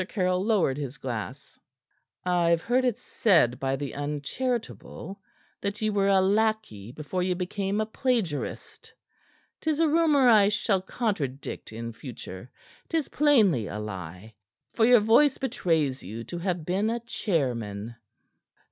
Caryll lowered his glass. "I've heard it said by the uncharitable that ye were a lackey before ye became a plagiarist. 'Tis a rumor I shall contradict in future; 'tis plainly a lie, for your voice betrays you to have been a chairman."